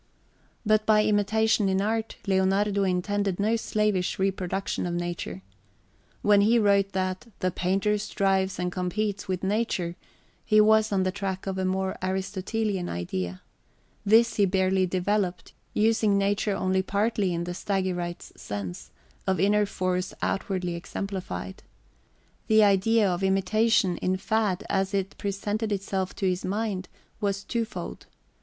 But by imitation in art, Leonardo intended no slavish reproduction of nature. When he wrote that "the painter strives and competes with nature," he was on the track of a more Aristotelian idea. This he barely developed, using nature only partly in the Stagirite's sense, of inner force outwardly exemplified. The idea of imitation, in fad, as it presented itself to his mind, was two fold.